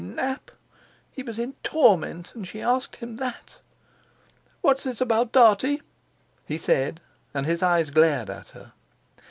Nap! He was in torment, and she asked him that! "What's this about Dartie?" he said, and his eyes glared at her.